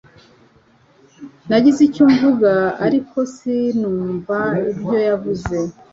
yagize icyo avuga, ariko sinumva ibyo yavuze.